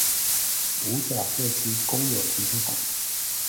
五甲社區公有停車場